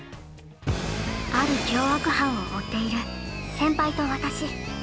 ◆ある凶悪犯を追っている先輩と私。